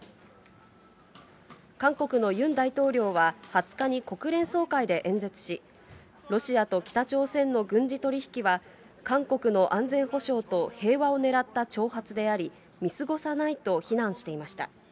韓国のユン大統領は、２０日に国連総会で演説し、ロシアと北朝鮮の軍事取り引きは、韓国の安全保障と平和を狙った挑発であり、見過ごさないと非難していました。